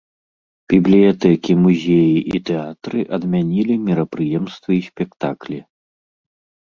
Бібліятэкі, музеі і тэатры адмянілі мерапрыемствы і спектаклі.